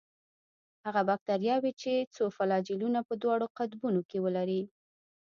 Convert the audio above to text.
هغه باکتریاوې چې څو فلاجیلونه په دواړو قطبونو کې ولري.